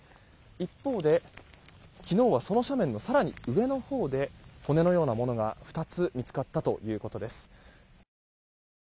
一方で、昨日はその斜面の更に上のほうで骨のようなものが２つ見つかったということです。